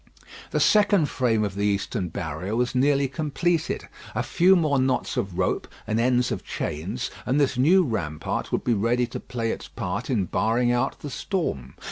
The second frame of the eastern barrier was nearly completed. A few more knots of rope and ends of chains and this new rampart would be ready to play its part in barring out the storm.